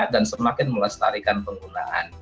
dan semakin melestarikan penggunaan